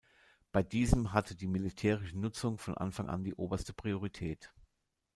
Bei diesem hatte die militärische Nutzung von Anfang an die oberste Priorität.